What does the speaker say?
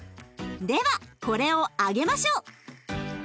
ではこれを揚げましょう！